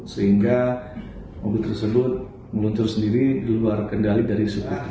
sehingga mobil tersebut meluncur sendiri di luar kendali dari sungai